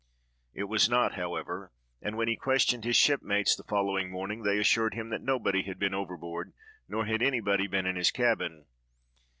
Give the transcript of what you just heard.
It was not, however; and when he questioned his shipmates, the following morning, they assured him that nobody had been overboard, nor had anybody been in his cabin.